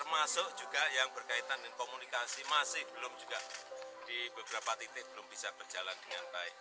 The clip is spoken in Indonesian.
termasuk juga yang berkaitan dengan komunikasi masih belum juga di beberapa titik belum bisa berjalan dengan baik